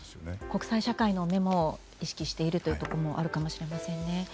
国際社会の目も意識しているというところもあるかもしれませんね。